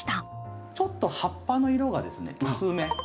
ちょっと葉っぱの色がですね薄め。